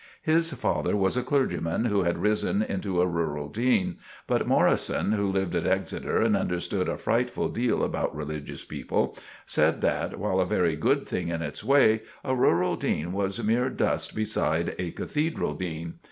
His father was a clergyman who had risen into a rural dean; but Morrison, who lived at Exeter and understood a frightful deal about religious people, said that, while a very good thing in its way, a rural dean was mere dust beside a cathedral dean.